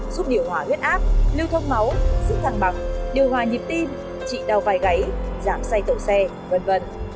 giúp điều hòa huyết áp lưu thông máu giữ thẳng bằng điều hòa nhịp tim trị đau vai gáy giảm say tổ xe v v